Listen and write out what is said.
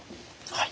はい。